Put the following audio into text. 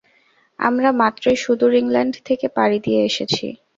আমরা মাত্রই সুদূর ইংল্যান্ড থেকে পাড়ি দিয়ে এসেছি।